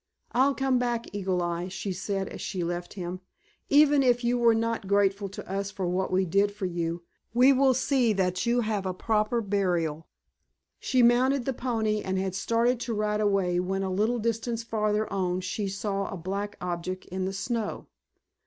"I'll come back, Eagle Eye," she said as she left him, "even if you were not grateful to us for what we did for you, we will see that you have a proper burial." She mounted the pony and had started to ride away when a little distance farther on she saw a black object in the snow.